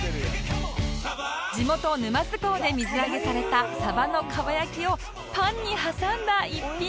地元沼津港で水揚げされたサバのかば焼きをパンに挟んだ一品